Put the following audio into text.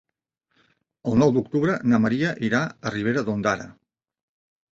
El nou d'octubre na Maria irà a Ribera d'Ondara.